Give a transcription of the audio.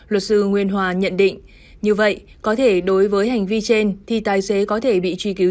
luật sư nguyên hòa nhận định như vậy có thể đối với hành vi trên thì tài xế có thể bị truy cứu